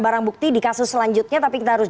barang bukti di kasus selanjutnya tapi kita harus